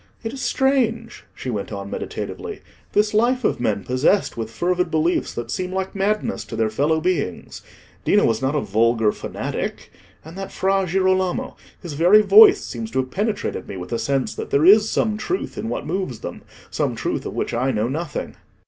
It is strange," she went on meditatively, "this life of men possessed with fervid beliefs that seem like madness to their fellow beings. Dino was not a vulgar fanatic; and that Fra Girolamo—his very voice seems to have penetrated me with a sense that there is some truth in what moves them: some truth of which I know nothing."